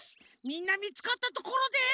みんなみつかったところで。